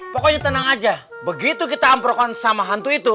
pokoknya tenang aja begitu kita amprokan sama hantu itu